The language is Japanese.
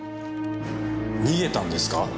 逃げたんですか？